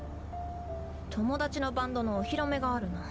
友達のバンドのお披露目があるの。